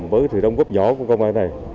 bởi sự đồng góp nhỏ của công an này